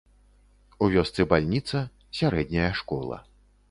У вёсцы бальніца, сярэдняя школа.